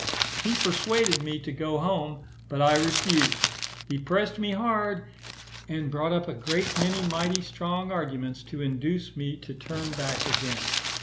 He persuaded me to go home, but I refused. He pressed me hard, and brought up a great many mighty strong arguments to induce me to turn back again.